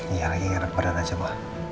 iya lagi ngerak badan aja ma